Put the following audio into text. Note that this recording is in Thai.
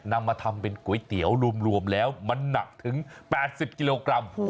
นำมาทำเป็นก๋วยเตี๋ยวรวมแล้วมันหนักถึง๘๐กิโลกรัม